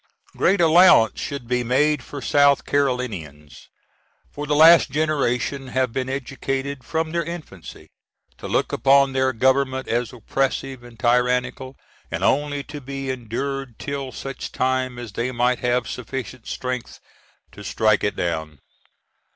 Great allowance should be made for South Carolinians, for the last generation have been educated, from their infancy, to look upon their Government as oppressive and tyrannical and only to be endured till such time as they might have sufficient strength to strike it down.